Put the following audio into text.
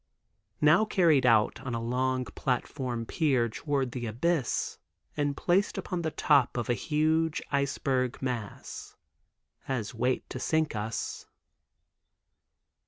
Now carried out on a long platform pier toward the abyss and placed upon the top of a huge iceberg mass—as weight to sink us.